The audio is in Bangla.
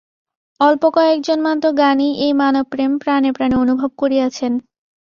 অল্প কয়েকজন মাত্র জ্ঞানীই এই মানবপ্রেম প্রাণে প্রাণে অনুভব করিয়াছেন।